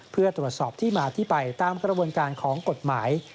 เพื่อตรวจสอบที่มาที่ไปตามกระบวนการของกฎหมาย